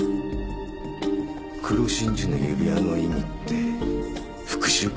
黒真珠の指輪の意味って復讐か？